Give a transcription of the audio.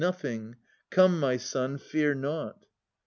Nothing. Come my son, fear nought.